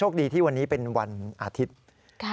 ดีที่วันนี้เป็นวันอาทิตย์